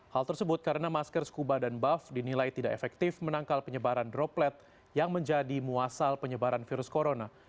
hal tersebut karena masker scuba dan buff dinilai tidak efektif menangkal penyebaran droplet yang menjadi muasal penyebaran virus corona